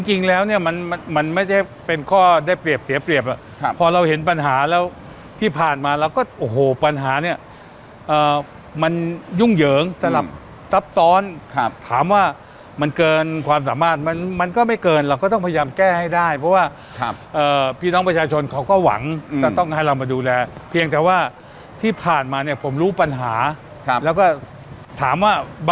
จริงแล้วเนี่ยมันไม่ได้เป็นข้อได้เปรียบเสียเปรียบพอเราเห็นปัญหาแล้วที่ผ่านมาเราก็โอ้โหปัญหาเนี่ยมันยุ่งเหยิงสลับซับซ้อนถามว่ามันเกินความสามารถมันก็ไม่เกินเราก็ต้องพยายามแก้ให้ได้เพราะว่าพี่น้องประชาชนเขาก็หวังจะต้องให้เรามาดูแลเพียงแต่ว่าที่ผ่านมาเนี่ยผมรู้ปัญหาแล้วก็ถามว่า